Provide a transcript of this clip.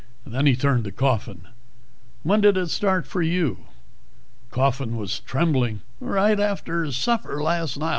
Then he turned to Coffin. "When did it start for you?" Coffin was trembling. "Right after supper last night.